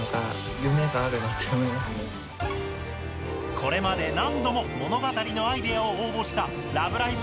これまで何度も物語のアイデアを応募した「ラブライブ！」